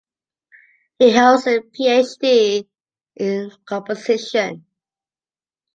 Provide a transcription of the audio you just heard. He holds a PhD in composition.